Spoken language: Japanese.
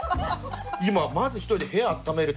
今まず１人で部屋あっためるところから。